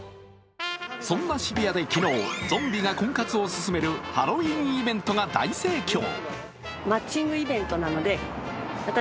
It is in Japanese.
そんな渋谷で昨日、ゾンビが婚活を始めるハロウィーンイベントが大盛況。